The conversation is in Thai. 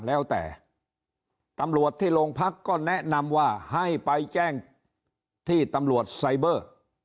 แล้วแต่ตำรวจที่โรงพักก็แนะนำว่าให้ไปแจ้งที่ตำรวจไซเบอร์